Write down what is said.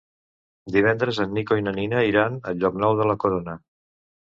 Divendres en Nico i na Nina iran a Llocnou de la Corona.